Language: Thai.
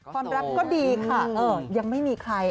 ความรักก็ดีค่ะยังไม่มีใคร